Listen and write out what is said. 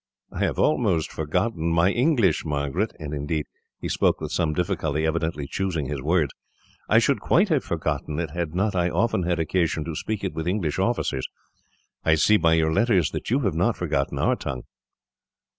"I have almost forgotten my English, Margaret " and, indeed, he spoke with some difficulty, evidently choosing his words "I should quite have forgotten it, had not I often had occasion to speak it with English officers. I see, by your letters, that you have not forgotten our tongue."